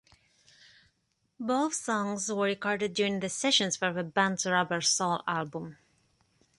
Both songs were recorded during the sessions for the band's "Rubber Soul" album.